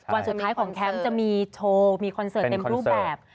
วันสุดท้ายของแคมป์จะมีโชว์มีคอนเสิร์ตเต็มรูปแบบ